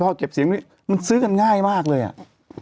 ซื้อท่อเด็กเก็บเสียงมันซื้อกันง่ายมากเลยอะ